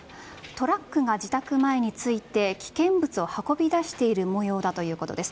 トラックが自宅前に着いて危険物を運び出している模様だということです。